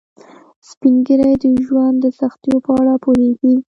سپین ږیری د ژوند د سختیو په اړه پوهیږي